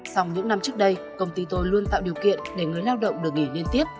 xong những năm trước đây công ty tôi luôn tạo điều kiện để người lao động được nghỉ liên tiếp